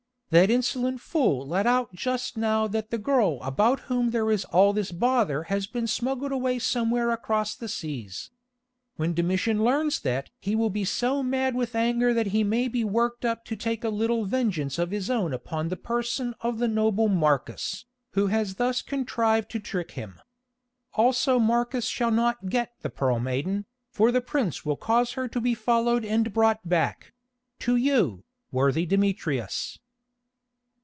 That insolent fool let out just now that the girl about whom there is all this bother has been smuggled away somewhere across the seas. When Domitian learns that he will be so mad with anger that he may be worked up to take a little vengeance of his own upon the person of the noble Marcus, who has thus contrived to trick him. Also Marcus shall not get the Pearl Maiden, for the prince will cause her to be followed and brought back—to you, worthy Demetrius."